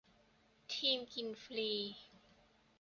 ทีมกินฟรี